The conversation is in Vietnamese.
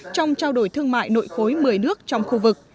trong trao đổi thương mại nội khối một mươi nước trong khu vực